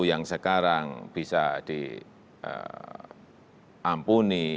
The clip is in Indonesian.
yang sekarang bisa diampuni